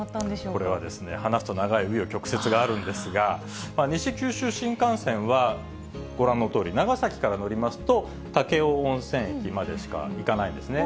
これはですね、話すと長いう余曲折があるんですが、西九州新幹線は、ご覧のとおり、長崎から乗りますと、武雄温泉駅までしか行かないですね。